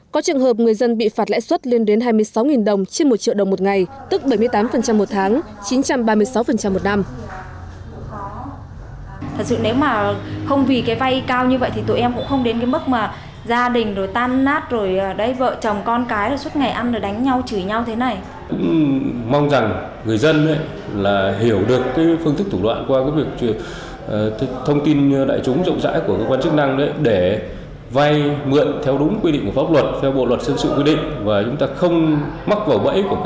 có trường hợp người dân bị phạt lãi suất lên đến hai mươi sáu đồng trên một triệu đồng một ngày